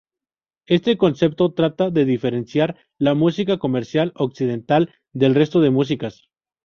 Este concepto trata de diferenciar la música comercial Occidental del resto de músicas.